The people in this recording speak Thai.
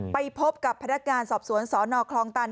ไปพบกับพนักงานสอบสวนสนคลองตัน